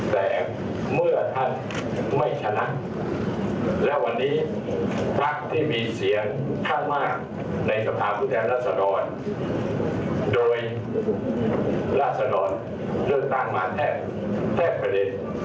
แต่เมื่อท่านไม่ชนะแล้ววันนี้ปรักษณ์ที่มีเสี่ยงข้างมากในสภาพปุทธรรษฎรโดยราษฎรเรื่องตั้งมาแทบประเด็น